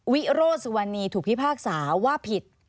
วิรถ์สวันนีถูกพิพากษาว่าผิด